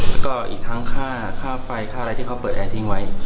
แล้วก็อีกทั้งค่าไฟค่าอะไรที่เขาเปิดแอร์ทิ้งไว้